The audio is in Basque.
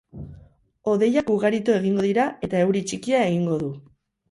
Hodeiak ugaritu egingo dira eta euri txikia egingo du.